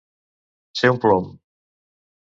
Ser un plom.